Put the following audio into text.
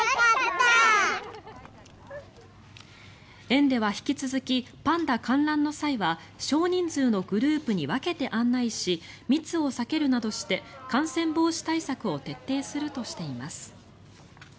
園では引き続きパンダ観覧の際は少人数のグループに分けて案内し密を避けるなどして感染防止対策を徹底するとしています。